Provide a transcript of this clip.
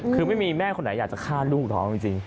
คือไม่มีแม่คนไหนอยากจะฆ่าลูกน้องจริง